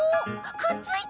くっついた！